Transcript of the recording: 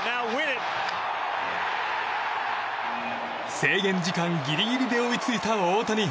制限時間ギリギリで追いついた大谷。